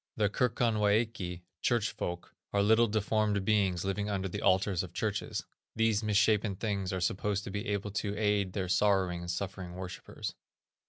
The Kirkonwæki (church folk) are little deformed beings living under the altars of churches. These misshapen things are supposed to be able to aid their sorrowing and suffering worshipers.